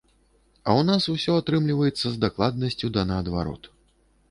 А ў нас ўсё атрымліваецца з дакладнасцю да наадварот.